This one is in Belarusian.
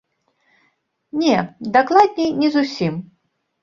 Не, дакладней, не зусім.